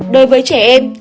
đối với trẻ em